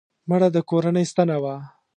مړه د کورنۍ ستنه وه